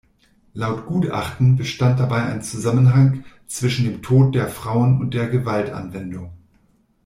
Laut Gutachten bestand dabei ein Zusammenhang zwischen dem Tod der Frauen und der Gewaltanwendung.